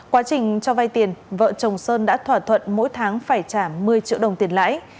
quá trình cho vay tiền vợ chồng sơn đã thỏa thuận mỗi tháng phải trả một mươi triệu đồng tiền lãi